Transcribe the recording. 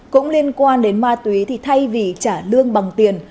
cũng liên quan đến ma túy thì thay vì trả lương bằng tiền